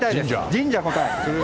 神社が答え。